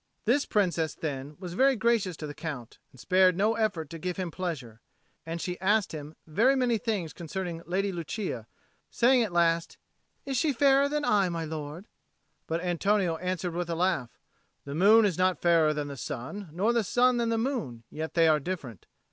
This Princess, then, was very gracious to the Count, and spared no effort to give him pleasure; and she asked him very many things concerning the Lady Lucia, saying at last, "Is she fairer than I, my lord?" But Antonio answered, with a laugh, "The moon is not fairer than the sun, nor the sun than the moon: yet they are different."